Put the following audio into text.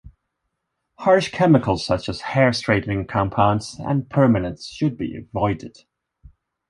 Harsh chemicals such as hair straightening compounds and permanents should be avoided.